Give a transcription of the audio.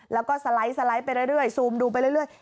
แล้วก็สไลด์ไปเรื่อยซูมดูไปเรื่อย